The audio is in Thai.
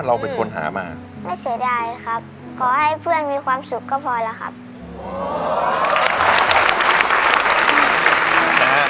เราเป็นคนหามาไม่เสียดายครับขอให้เพื่อนมีความสุขก็พอแล้วครับ